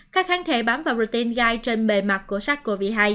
các kháng thể bám vào protein gai trên bề mặt của sars cov hai